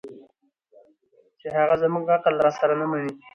چې هغه زموږ عقل راسره نه مني